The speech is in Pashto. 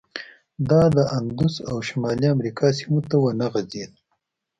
دا د اندوس او شمالي امریکا سیمو ته ونه غځېد.